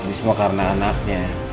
ini semua karena anaknya